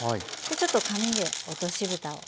ちょっと紙で落としぶたを。